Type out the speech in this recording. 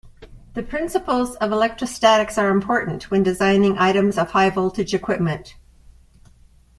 The principles of electrostatics are important when designing items of high-voltage equipment.